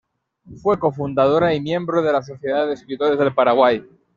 Fue cofundadora y miembro de la Sociedad de Escritores del Paraguay.